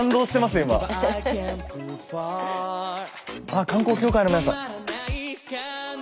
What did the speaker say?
あ観光協会の皆さん。